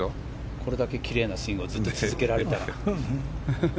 これだけきれいなスイングをずっと続けられたら。